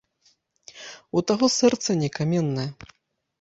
У таго сэрца не каменнае.